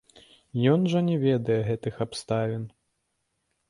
Ён жа не ведае гэтых абставін.